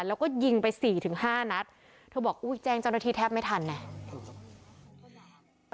แล้วก็ยิงไปสี่ถึงห้านัดเธอบอกอุ้ยแจ้งเจ้าหน้าที่แทบไม่ทันเนี่ย